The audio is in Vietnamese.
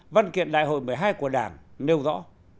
văn kiện đại hội một mươi hai của đảng nêu rõ